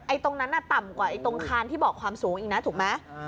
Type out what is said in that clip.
ตรงนั้นน่ะต่ำกว่าตรงคานที่บอกความสูงอีกนะถูกไหม